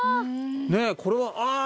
ねえこれはああー！